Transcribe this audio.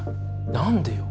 何でよ？